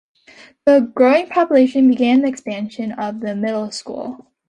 The growing population began the expansion of the middle school.